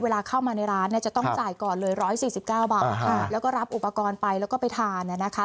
เวลาเข้ามาในร้านเนี้ยจะต้องจ่ายก่อนเลยร้อยสี่สิบเก้าบาทนะคะแล้วก็รับอุปกรณ์ไปแล้วก็ไปทานเนี้ยนะคะ